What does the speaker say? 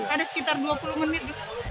ada sekitar dua puluh menit